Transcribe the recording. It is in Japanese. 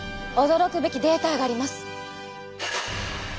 驚くべきデータがあります。